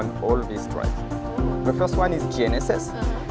yang pertama adalah gnss